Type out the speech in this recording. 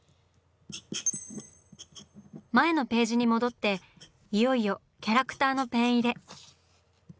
前のページに戻っていよいよキャラクターのペン入れ。